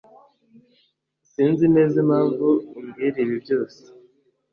Sinzi neza impamvu umbwira ibi byose.